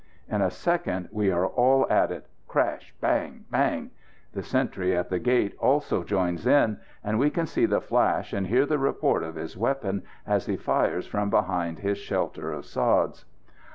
In a second we are all at it. Crash! bang! bang! The sentry at the gate also joins in, and we can see the flash and hear the report of his weapon as he fires from behind his shelter of sods.